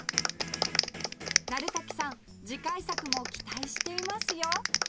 鳴滝さん次回作も期待していますよ